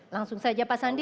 langsung saja pak sandi